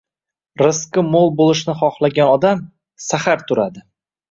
Rizqi mo`l bo`lishni xohlagan odam, sahar turadi